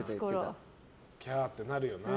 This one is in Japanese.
キャーってなるよな。